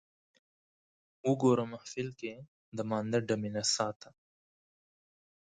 وګوره محفل کې د مانده ډمې نڅا ته